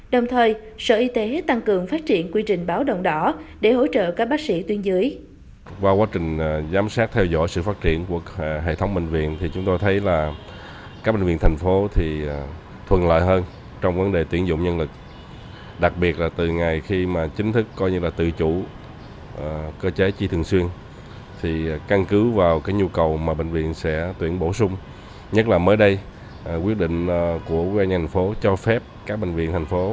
đồng thời sở y tế tăng cường phát triển quy trình báo đồng đỏ để hỗ trợ các bác sĩ tuyến dưới